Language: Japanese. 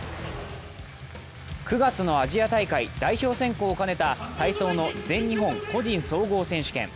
９月のアジア大会・代表選考を兼ねた体操の全日本個人総合選手権。